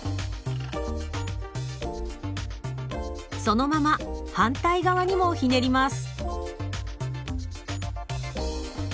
そのまま反対側にもひねります。